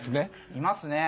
いますね。